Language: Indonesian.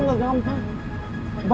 gak mungkin bisa jawab ya